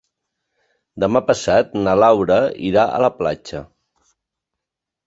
Demà passat na Laura irà a la platja.